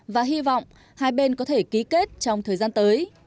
và hy vọng hai bên có thể ký kết trong thời gian tới